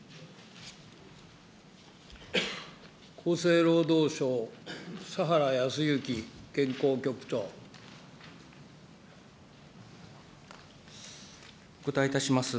厚生労働省、お答えいたします。